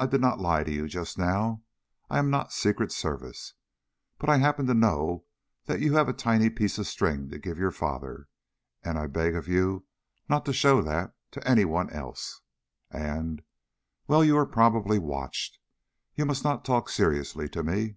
I did not lie to you just now. I am not Secret Service. But I happen to know that you have a tiny piece of string to give your father, and I beg of you not to show that to anyone else. And well you are probably watched. You must not talk seriously to me!"